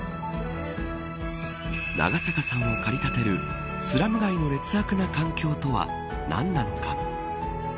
長坂さんをかりたてるスラム街の劣悪な環境とは何なのか。